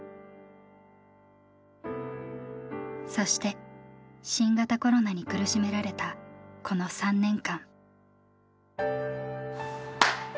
そして新型コロナに苦しめられたこの３年間。